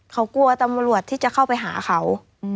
เขากลัวตำรวจที่จะเข้าไปหาเขา